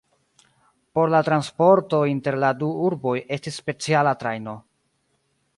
Por la transporto inter la du urboj estis speciala trajno.